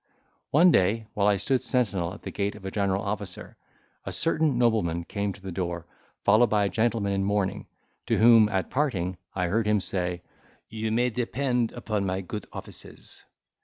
One day, while I stood sentinel at the gate of a general officer, a certain nobleman came to the door, followed by a gentleman in mourning, to whom, at parting, I heard him say, "You may depend upon my good offices."